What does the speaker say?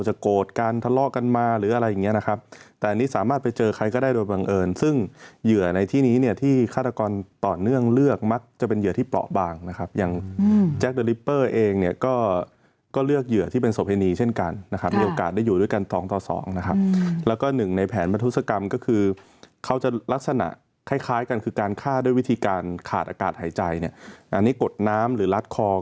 อย่างเงี้ยนะครับแต่อันนี้สามารถไปเจอใครก็ได้โดยบังเอิญซึ่งเหยื่อในที่นี้เนี้ยที่ฆาตกรต่อเนื่องเลือกมักจะเป็นเหยื่อที่เปราะบางนะครับอย่างอืมเนี้ยก็ก็เลือกเหยื่อที่เป็นโสภินีเช่นกันนะครับมีโอกาสได้อยู่ด้วยกันสองต่อสองนะครับอืมแล้วก็หนึ่งในแผนประทุศกรรมก็คือเขาจะลักษณะคล